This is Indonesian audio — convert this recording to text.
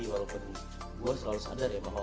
walaupun gue selalu sadar ya bahwa